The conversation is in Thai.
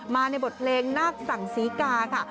มาในบทเพลงนาศักดิ์ศรีกาค่ะ